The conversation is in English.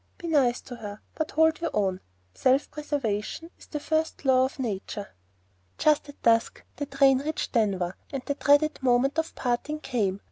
Be nice to her, but hold your own. Self preservation is the first law of Nature." Just at dusk the train reached Denver, and the dreaded moment of parting came.